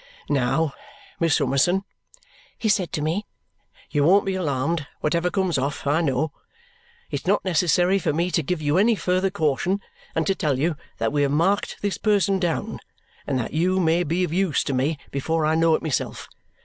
"Now, Miss Summerson," he said to me, "you won't be alarmed whatever comes off, I know. It's not necessary for me to give you any further caution than to tell you that we have marked this person down and that you may be of use to me before I know it myself.